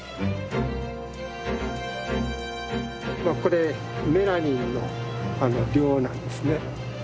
まあこれメラニンの量なんですね。